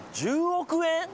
１０億円？